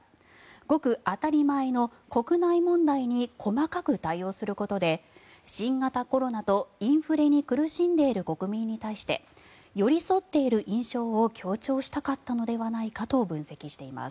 ごく当たり前の国内問題に細かく対応することで新型コロナとインフレに苦しんでいる国民に対して寄り添っている印象を強調したかったのではないかと分析しています。